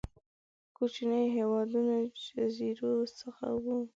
کوچنيو هېوادونو جزيرو څخه دي.